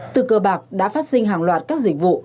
từ cơ bạc đã phát sinh hàng loạt các dịch vụ